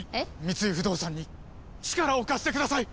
三井不動産に力を貸してください！